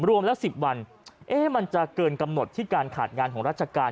รวมแล้ว๑๐วันมันจะเกินกำหนดที่การขาดงานของราชการ